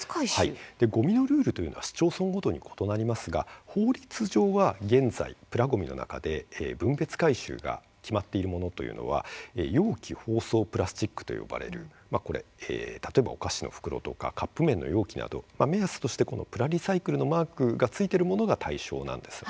ごみのルールというのは市町村ごとに異なりますが法律上は現在、プラごみの中で分別回収が決まっているものというのは容器包装プラスチックと呼ばれるお菓子の袋、カップ麺の容器など目安としてプラリサイクルのマークがついているものが対象です。